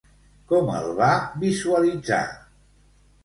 Com el va visualitzar?